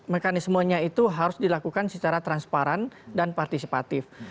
mekanismenya itu harus dilakukan secara transparan dan partisipatif